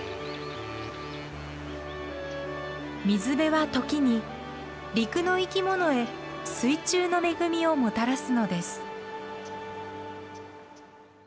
水辺は時に陸の生き物へ水中の恵みをもたらすのです。